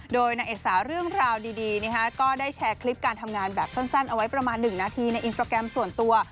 โดยนางเอกสาวเรื่องราวดีก็ได้แชร์คลิปการทำงานแบบสั้นเอาไว้ประมาณ๑นาทีในอินสตราแกรมส่วนตัว